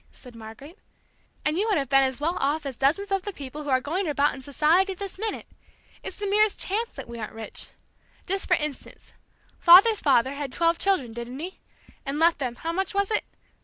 said Margaret; "and you would have been as well off as dozens of the people who are going about in society this minute! It's the merest chance that we aren't rich. Just for instance: father's father had twelve children, didn't he? and left them how much was it?